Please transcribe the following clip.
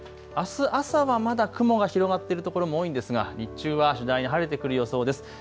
あす朝はまだ雲が広がってるところも多いんですが日中は次第に晴れてくる予想です。